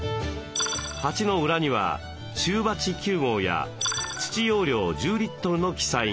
鉢の裏には「中鉢９号」や「土容量１０」の記載が。